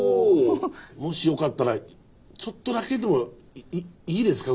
もしよかったらちょっとだけでもいいですか？